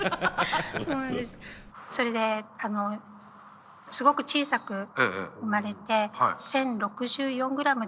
それですごく小さく生まれて１，０６４グラムで。